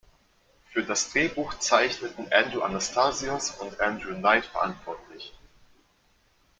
Für das Drehbuch zeichneten Andrew Anastasios und Andrew Knight verantwortlich.